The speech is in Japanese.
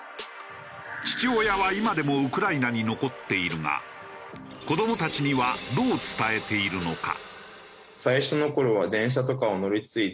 父親は今でもウクライナに残っているが子どもたちにはどう伝えているのか？